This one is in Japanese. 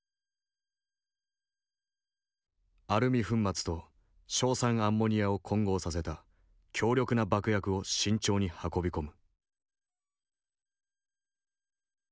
アルミ粉末と硝酸アンモニアを混合させた強力な爆薬を慎重に運び込む。